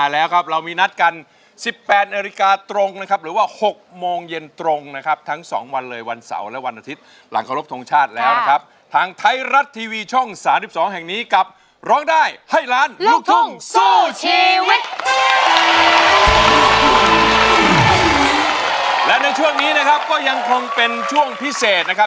และในช่วงนี้นะครับก็ยังคงเป็นช่วงพิเศษนะครับ